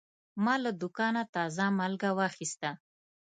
ما له دوکانه تازه مالګه واخیسته.